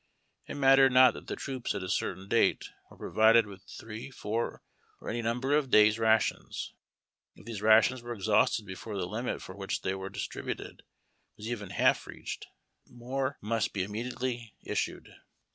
It mattered not that the troops, at a certain date, were provided with three, four, or any number of days rations; if these rations were exhausted before the limit for which they were distributed was even half reached, more must be immediately issued.